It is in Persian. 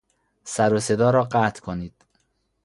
سر و صدا را قطع کنید!